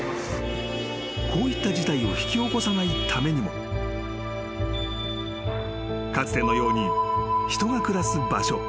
［こういった事態を引き起こさないためにもかつてのように人が暮らす場所